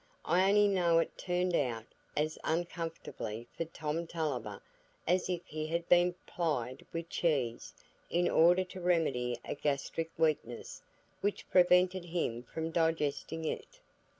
I only know it turned out as uncomfortably for Tom Tulliver as if he had been plied with cheese in order to remedy a gastric weakness which prevented him from digesting it.